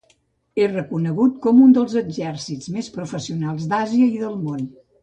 És reconegut com un dels exèrcits més professionals d'Àsia i del món.